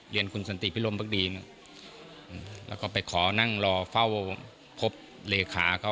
เรียนคุณสันติพิรมภักดีแล้วก็ไปขอนั่งรอเฝ้าพบเลขาเขา